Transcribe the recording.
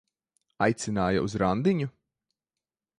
Aicināja uz randiņu?